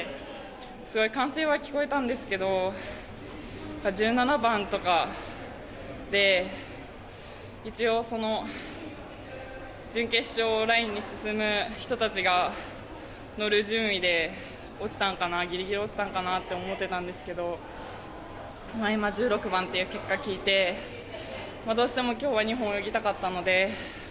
すごい歓声は聞こえたんですけども１７番とかで、一応準決勝ラインに進む人たちが乗る順位でギリギリ落ちたのかなって思ってたんですけど今、１６番という結果を聞いてどうしても今日は２本泳ぎたかったので。